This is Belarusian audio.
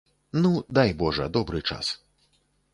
Ну, дай, божа, добры час.